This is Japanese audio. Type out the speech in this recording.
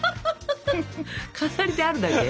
飾りであるだけ？